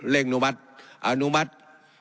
เร่งอนุมัติ